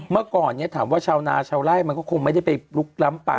เมื่อก่อนถามว่าชาวนาชาวไล่มันก็คงไม่ได้ไปลุกล้ำป่า